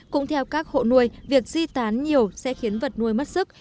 cũng theo các hộ nuôi việc di tán nhiều sẽ khiến vật nuôi mất sức